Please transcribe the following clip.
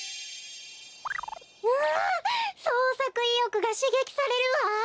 わあそうさくいよくがしげきされるわ。